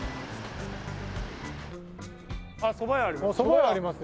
あっそば屋あります。